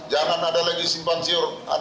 jangan ada lagi simpansi pemberitaan